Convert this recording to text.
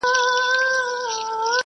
ما د خپلي سجدې لوری له اورغوي دی اخیستی